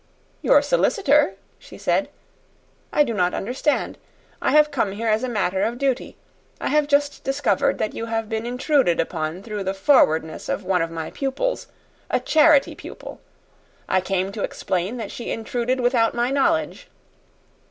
"Your solicitor!" she said. "I do not understand. I have come here as a matter of duty. I have just discovered that you have been intruded upon through the forwardness of one of my pupils a charity pupil. I came to explain that she intruded without my knowledge."